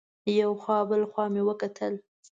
یو خوا بل خوا مې وکتل.